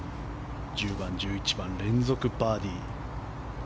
１０番、１１番連続バーディー。